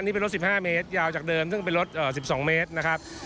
นี่เป็นรถ๑๕เมตรยาวจากเดิมซึ่งเป็นรถ๑๒เมตรนะครับ